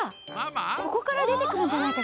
ここから出てくるんじゃないかしら？